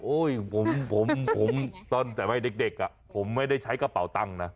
โอ้ยผมตอนแต่ใหม่เด็กผมไม่ได้ใช้กระเป๋าตังนะ